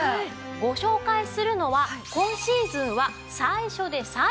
ご紹介するのは今シーズンは最初で最後となります。